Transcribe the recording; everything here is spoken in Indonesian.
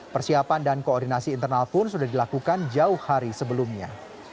persiapan dan koordinasi internal pun sudah dilakukan jauh hari sebelumnya